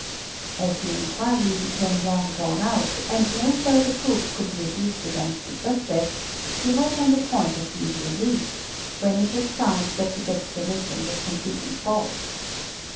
As the inquiry became long dray out and no further proof could be adduced against the suspect, he was ( the point of being released, when it was found that his explanation w completely false.